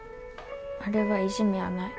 あれはいじめやない。